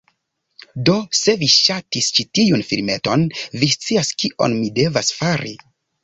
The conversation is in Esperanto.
Do se vi ŝatis ĉi tiun filmeton, vi scias kion vi devas fari: